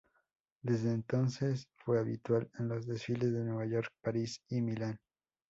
Desde entonces fue habitual en los desfiles de Nueva York, París y Milán.